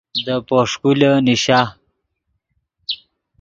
دے پوݰکولے نیشا